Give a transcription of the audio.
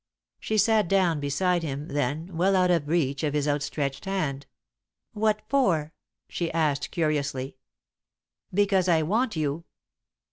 She sat down beside him, then, well out of reach of his outstretched hand. "What for?" she asked, curiously. "Because I want you."